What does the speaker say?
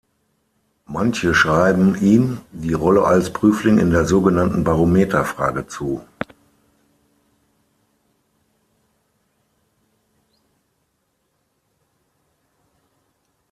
Manche schreiben ihm die „Rolle“ als Prüfling in der sogenannten Barometer-Frage zu.